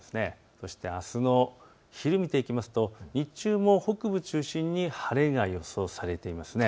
そしてあすの昼を見ていきますと日中も北部を中心に晴れが予想されています。